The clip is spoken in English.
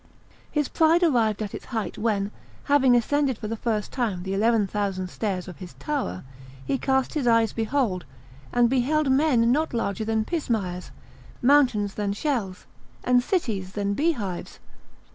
His pride arrived at its height when, having ascended for the first time the eleven thousand stairs of his tower, he cast his eyes below, and beheld men not larger than pismires, mountains than shells, and cities than bee hives.